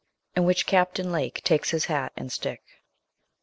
IN WHICH CAPTAIN LAKE TAKES HIS HAT AND STICK.